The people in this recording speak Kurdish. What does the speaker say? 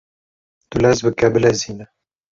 Tu lez bike bilezîne